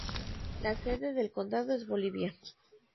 La sede del condado es Bolivia.